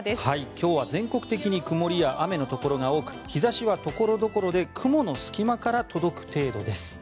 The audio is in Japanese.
今日は全国的に曇りや雨のところが多く日差しは所々で雲の隙間から届く程度です。